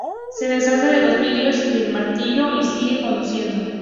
Se deshace de los vidrios y del martillo, y sigue conduciendo.